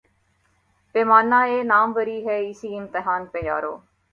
پیمان ء ناموری ہے، اسی امتحاں پہ یارو